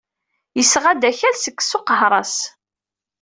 Yesɣa-d akal seg Suq Ahṛas.